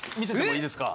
いいっすか？